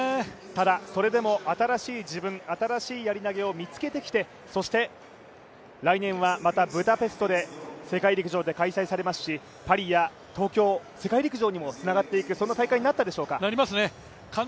ただ、それでも新しい自分、新しいやり投を見つけてきて、そして来年はまたブダペストで世界陸上が開催されますし、パリや東京、世界陸上にもつながっていく、そんな大会になったでしょうか。